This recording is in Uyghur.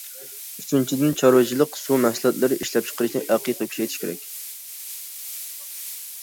ئۈچىنچىدىن، چارۋىچىلىق، سۇ مەھسۇلاتلىرى ئىشلەپچىقىرىشىنى ھەقىقىي كۈچەيتىش كېرەك.